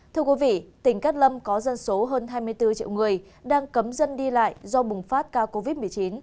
thưa quý vị tỉnh cát lâm có dân số hơn hai mươi bốn triệu người đang cấm dân đi lại do bùng phát ca covid một mươi chín